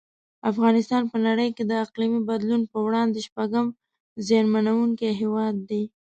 افغانستان په نړۍ کې د اقلیمي بدلون په وړاندې شپږم زیانمنونکی هیواد دی.